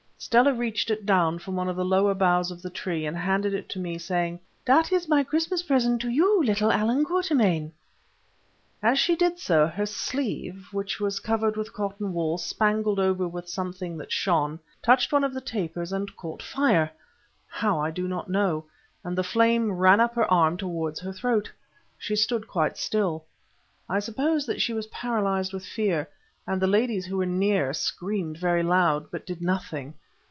Stella reached it down from one of the lower boughs of the tree and handed it to me, saying— "Dat is my Christmas present to you, little Allan Quatermain." As she did so her sleeve, which was covered with cotton wool, spangled over with something that shone, touched one of the tapers and caught fire—how I do not know—and the flame ran up her arm towards her throat. She stood quite still. I suppose that she was paralysed with fear; and the ladies who were near screamed very loud, but did nothing.